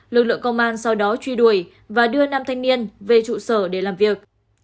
lực lượng công an sau đó truy đuổi và đưa nam thanh niên về trụ sở để làm việc